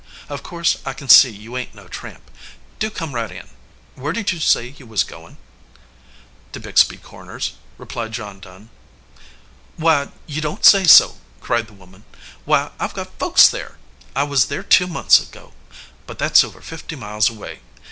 "Of course I kin see you ain t no tramp. Do come right in. Where did you say you was goin ?" "To Bixby Corners," replied John Dunn. "Why, you don t say so!" cried the woman. "Why, I ve got folks there! I was there two months ago. But that s over fifty miles away.